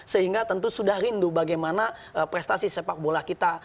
sehingga tentu sudah rindu bagaimana prestasi sepak bola kita